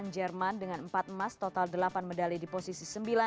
jerman dengan empat emas total delapan medali di posisi sembilan